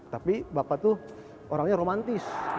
tapi bapak tuh orangnya romantis